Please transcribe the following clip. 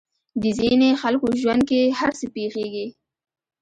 د ځينې خلکو ژوند کې هر څه پېښېږي.